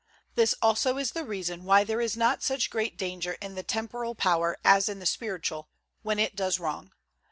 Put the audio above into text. This also is the reason why there is not such great danger in the temporal power as in the spiritual, when it does wrong.